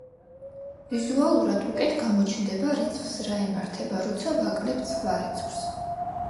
ვიზუალურად უკეთ გამოჩნდება რიცხვს რა ემართება, როცა ვაკლებთ სხვა რიცხვს.